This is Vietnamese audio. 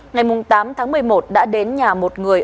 ngày tám tháng một mươi một đã đến nhà một người